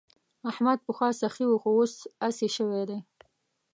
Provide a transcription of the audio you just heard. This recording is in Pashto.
احمد پخوا سخي وو خو اوس اسي شوی دی.